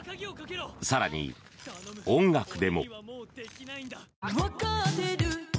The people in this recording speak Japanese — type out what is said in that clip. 更に、音楽でも。